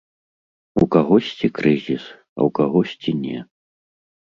У кагосьці крызіс, а ў кагосьці не.